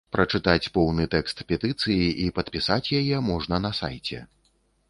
Прачытаць поўны тэкс петыцыі і падпісаць яе можна на сайце.